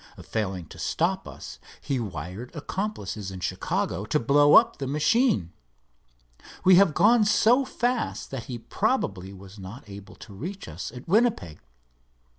Failing to stop us he wired accomplices in Chicago to blow up the machine. We have gone so fast that he probably was not able to reach us at Winnipeg.